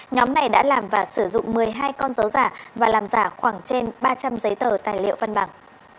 nhóm này đã làm và sử dụng một mươi hai con dấu giả và làm giả khoảng trên ba trăm linh giấy tờ tài liệu văn bằng